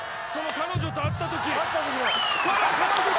彼女と会ったとき！